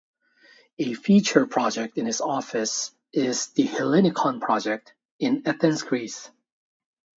A feature project in his office is The Hellinikon Project in Athens Greece.